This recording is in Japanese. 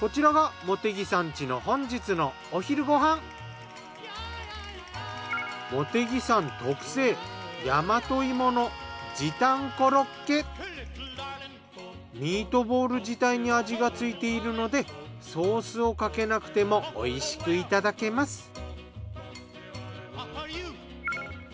こちらが茂木さん特製ミートボール自体に味がついているのでソースをかけなくても美味しくいただけます。